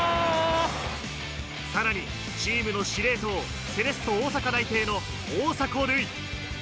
さらにチームの司令塔、セレッソ大阪内定の大迫塁。